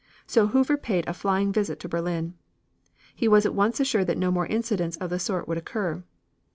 So Hoover paid a flying visit to Berlin. He was at once assured that no more incidents of the sort would occur.